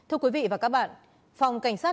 xin chào quý vị và các bạn đến với tiểu mục lệnh truy nã